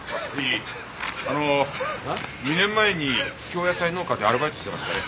あの２年前に京野菜農家でアルバイトをしていましたね？